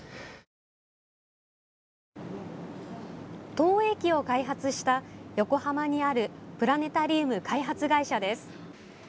投影機を開発した横浜にあるプラネタリウム開発会社です。